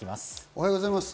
おはようございます。